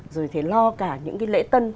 rồi thì lo cả những lễ tân